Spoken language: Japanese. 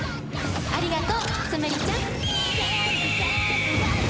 ありがとうツムリちゃん。